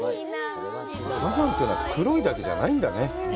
火山というのは黒いだけじゃないんだね。